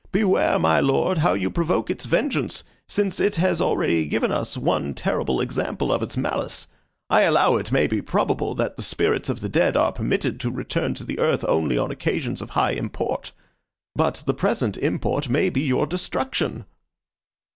Beware, my lord, how you provoke its vengeance, since it has already given us one terrible example of its malice. I allow it may be probable, that the spirits of the dead are permitted to return to the earth only on occasions of high import; but the present import may be your destruction."